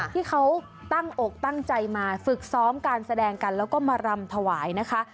ที่เขาตั้งอกตั้งใจมาฝึกซ้อมการแสดงกันแล้วก็มารำถวายนะคะ